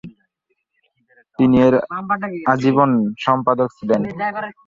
তিনি এর আজীবন সম্পাদক ছিলেন।